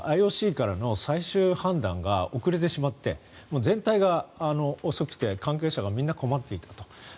ＩＯＣからの最終判断が遅れてしまって全体が遅くて関係者がみんな困っていたと。